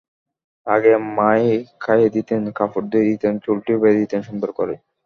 আগে মা-ই খাইয়ে দিতেন, কাপড় ধুয়ে দিতেন, চুলটিও বেঁধে দিতেন সুন্দর করে।